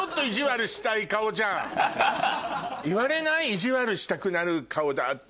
「意地悪したくなる顔だね」